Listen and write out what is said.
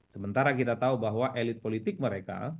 sementara kita tahu bahwa elit politik mereka